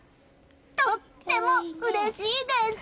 とってもうれしいです！